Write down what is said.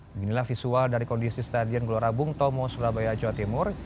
beginilah visual dari kondisi stadion gelora bung tomo surabaya jawa timur